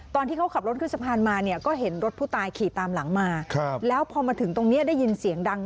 ตอนที่เขาขับรถขึ้นสะพานมาเนี่ยก็เห็นรถผู้ตายขี่ตามหลังมาแล้วพอมาถึงตรงนี้ได้ยินเสียงดัง